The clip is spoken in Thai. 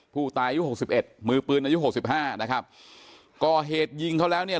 ผู้ตายอายุ๖๑มือปืนอายุ๖๕นะครับกอเหตุยิงเขาแล้วเนี่ย